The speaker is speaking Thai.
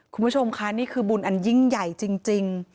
คุณผู้ชมค่ะนี่คือบุญอันยิ่งใหญ่จริง